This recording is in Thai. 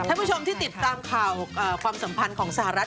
ผู้ชมที่ติดตามข่าวความสัมพันธ์ของสหรัฐ